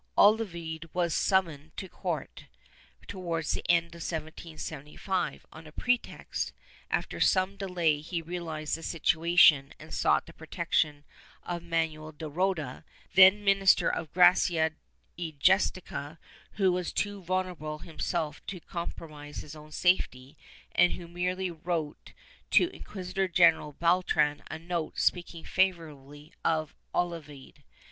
Olavide was sum moned to court, towards the end of 1775, on a pretext; after some delay he realized the situation and sought the protection of Manuel de Roda, then minister of Gracia y Justicia, who was too vulnerable himself to compromise his own safety, and who merely wrote to Inquisitor general Beltran a note speaking favorably of Olavide.